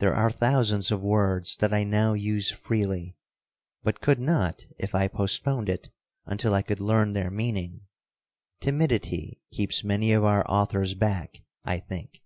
There are thousands of words that I now use freely, but could not if I postponed it until I could learn their meaning. Timidity keeps many of our authors back, I think.